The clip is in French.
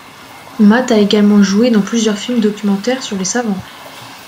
Matt a également joué dans plusieurs films documentaires sur les savants.